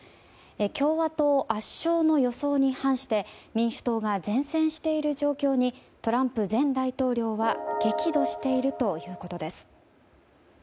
共和党圧勝の予想に反して民主党が善戦している状況にトランプ前大統領は激怒しているということです。